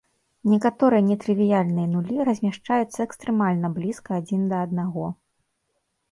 Некаторыя нетрывіяльныя нулі размяшчаюцца экстрэмальна блізка адзін да аднаго.